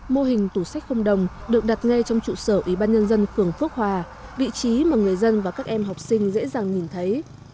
mô hình tủ sách không đồng được đặt ngay trong trụ sở ủy ban nhân dân phường phước hòa vị trí mà người dân và các em học sinh dễ dàng nhìn thấy